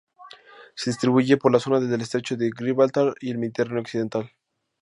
Se distribuye por la zona del estrecho de Gibraltar y el Mediterráneo occidental.